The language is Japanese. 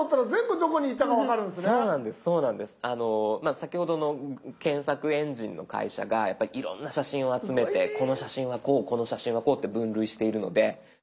先ほどの検索エンジンの会社がやっぱりいろんな写真を集めてこの写真はこうこの写真はこうって分類しているので。